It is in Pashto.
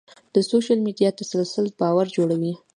د سوشل میډیا تسلسل باور جوړوي.